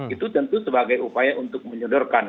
itu tentu sebagai upaya untuk menyodorkan